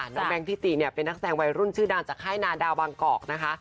น้องแบงค์ทิติเป็นนักแสดงวัยรุ่นชื่อดังจากค่ายนาดาววังกอกนะคะ